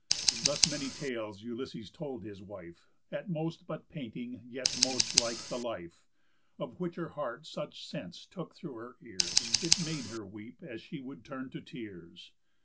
Thus many tales Ulysses told his wife, At most but painting, yet most like the life; Of which her heart such sense took through her ears, It made her weep as she would turn to tears.